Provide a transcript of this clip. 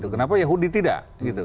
kenapa yahudi tidak